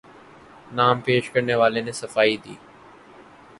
نام پیش کرنے والے نے صفائی دی